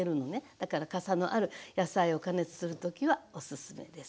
だからかさのある野菜を加熱する時はおすすめです。